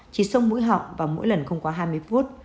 chỉ sông mũi họng và mỗi lần không có hai mươi phút